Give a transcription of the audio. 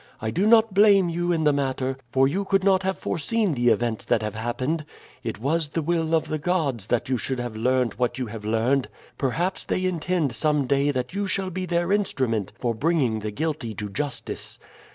I do not blame you in the matter, for you could not have foreseen the events that have happened. It was the will of the gods that you should have learned what you have learned; perhaps they intend some day that you shall be their instrument for bringing the guilty to justice.